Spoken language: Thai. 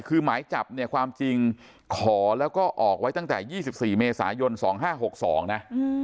คือหมายจับเนี่ยความจริงขอแล้วก็ออกไว้ตั้งแต่๒๔เมษายน๒๕๖๒นะ